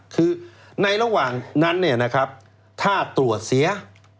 คือในระหว่างนั้นถ้าตรวจเสีย